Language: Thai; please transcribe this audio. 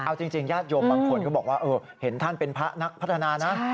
เอาจริงญาติโยมบางคนก็บอกว่าเห็นท่านเป็นพระนักพัฒนานะ